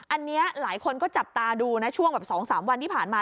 อันนี้หลายคนก็จับตาดูนะช่วงแบบ๒๓วันที่ผ่านมา